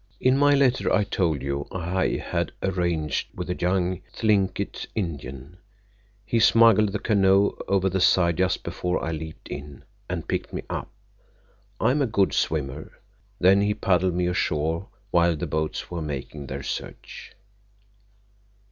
In my letter I told you I had arranged with the young Thlinkit Indian. He smuggled the canoe over the side just before I leaped in, and picked me up. I am a good swimmer. Then he paddled me ashore while the boats were making their search."